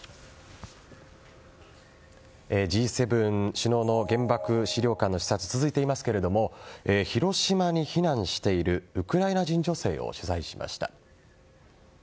Ｇ７首脳の原爆資料館の視察が続いていますけども広島に避難しているウクライナ人女性を取材しました。